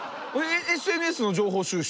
ＳＮＳの情報収集